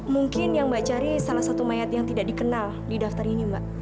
mungkin yang mbak cari salah satu mayat yang tidak dikenal di daftar ini mbak